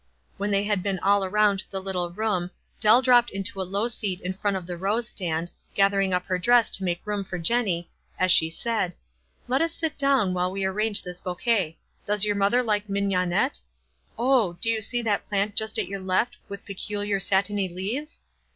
When they had been all around the little room Dell dropped into a low seat in front of the rose stand, gath ering up her dress to make room for Jenny, aa she said, "Let us sit down while we arrange tkia 118 WISE AND OTHERWISE. bouquet. Does your mother like mignonette? Oh, do you see that plant just at your left with peculiar satiny leaves?